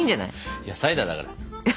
いやサイダーだから。